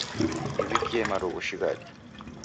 Niw'ikie marughu shighadi.